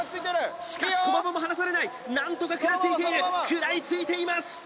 しかし駒場も離されないなんとかくらいついているくらいついています